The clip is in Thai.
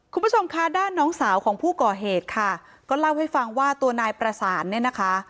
คุณผู้ชมคะด้านน้องสาวของผู้ก่อเหตุค่ะก็เล่าให้ฟังว่าตัวนายประสานเนี่ยนะคะ